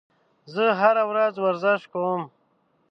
زه هره ورځ ورزش کوم.